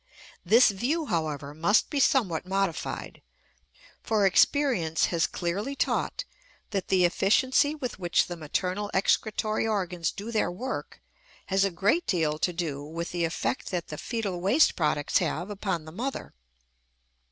This view, however, must be somewhat modified, for experience has clearly taught that the efficiency with which the maternal excretory organs do their work has a great deal to do with the effect that the fetal waste products have upon the mother.